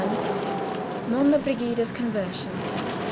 Monna Brigida's Conversion.